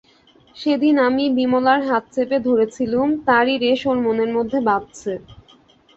সেদিন আমি বিমলার হাত চেপে ধরেছিলুম, তারই রেশ ওর মনের মধ্যে বাজছে।